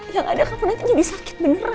yang ada kamu nanti jadi sakit beneran